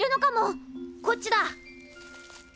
こっちだ。